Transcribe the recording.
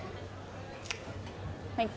はい。